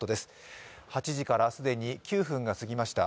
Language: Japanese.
８時から既に９分が過ぎました。